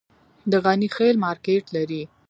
د غني خیل مارکیټ لري